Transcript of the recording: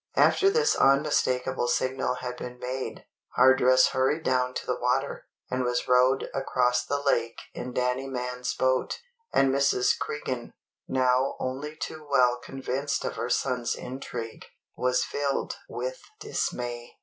After this unmistakable signal had been made, Hardress hurried down to the water, and was rowed across the lake in Danny Mann's boat; and Mrs. Cregan, now only too well convinced of her son's intrigue, was filled with dismay.